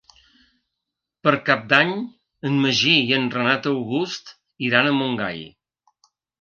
Per Cap d'Any en Magí i en Renat August iran a Montgai.